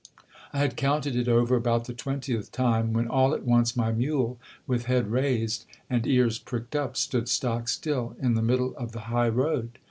I had counted it over about the twentieth time, when all at once my mule, with head raised, and ears pricked up, stood stock still in the middle of the high road.